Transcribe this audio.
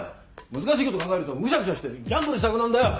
難しいこと考えるとむしゃくしゃしてギャンブルしたくなんだよ！